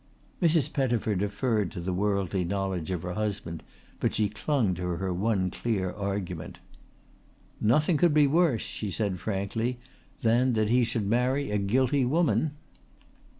Mrs. Pettifer deferred to the worldly knowledge of her husband but she clung to her one clear argument. "Nothing could be worse," she said frankly, "than that he should marry a guilty woman."